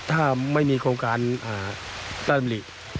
ถ้าไม่มีโครงการร่ำหลี